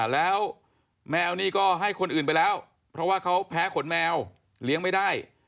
แล้วแมวนี่ก็ให้คนอื่นไปแล้วเพราะว่าเขาแพ้ขนแมวเลี้ยงไม่ได้